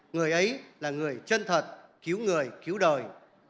người ấy là người chân thật cứu người cứu đời